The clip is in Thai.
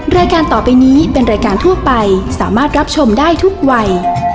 รายการต่อไปนี้เป็นรายการทั่วไปสามารถรับชมได้ทุกวัย